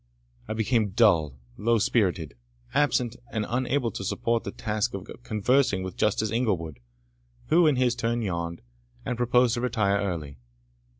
I became dull, low spirited, absent, and unable to support the task of conversing with Justice Inglewood, who in his turn yawned, and proposed to retire early.